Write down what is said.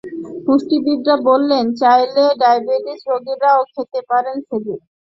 পুষ্টিবিদরা বলেন চাইলে ডায়াবেটিস রোগীরাও খেতে পারেন খেজুর।